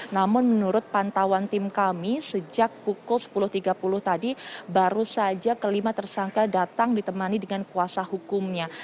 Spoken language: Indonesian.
namun menurut pantauan tim kami sejak pukul sepuluh tiga puluh tadi baru saja kelima tersangka datang ditemani dengan kuasa hukumnya